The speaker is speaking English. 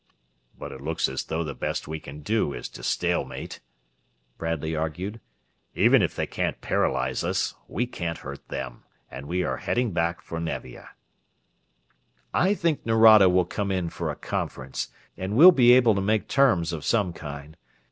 "But it looks as though the best we can do is to stalemate," Bradley argued. "Even if they can't paralyze us, we can't hurt them, and we are heading back for Nevia." "I think Nerado will come in for a conference, and we'll be able to make terms of some kind.